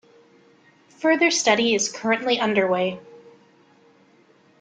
Further study is currently underway.